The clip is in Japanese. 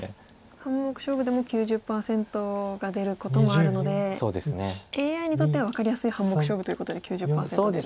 半目勝負でも９０％が出ることもあるのでＡＩにとっては分かりやすい半目勝負ということで９０％と出る。